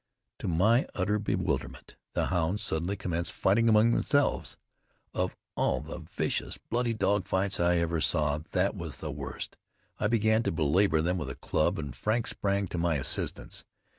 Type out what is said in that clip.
To my utter bewilderment the hounds suddenly commenced fighting among themselves. Of all the vicious bloody dog fights I ever saw that was the worst. I began to belabor them with a club, and Frank sprang to my assistance.